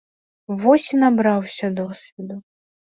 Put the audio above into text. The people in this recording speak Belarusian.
Вось і набраўся досведу.